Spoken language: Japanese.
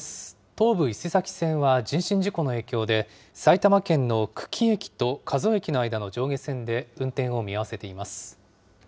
東武伊勢崎線は、人身事故の影響で、埼玉県の久喜駅と加須駅の間の上下線で運転を見合わせています。